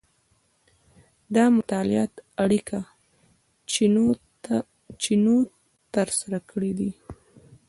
دا مطالعات اریکا چینوت ترسره کړي دي.